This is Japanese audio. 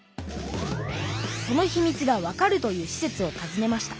そのひみつがわかるというしせつをたずねました。